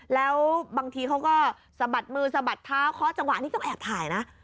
แล้วบางทีเขาก็สะบัดมือสะบัดเท้าเคาะจังหวะนี้ต้องแอบถ่ายนะ